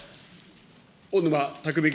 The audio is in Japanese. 小沼巧君。